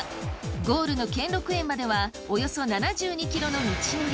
ゴールの兼六園まではおよそ７２ｋｍの道のり。